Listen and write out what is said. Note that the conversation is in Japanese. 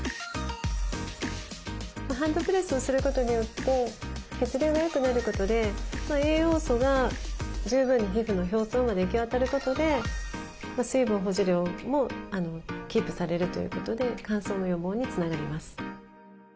ハンドプレスをすることによって血流がよくなることで栄養素が十分に皮膚の表層まで行き渡ることで水分保持量もキープされるということで乾燥の予防につながります。